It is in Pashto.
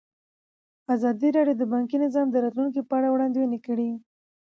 ازادي راډیو د بانکي نظام د راتلونکې په اړه وړاندوینې کړې.